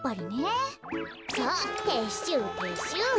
さあてっしゅうてっしゅう。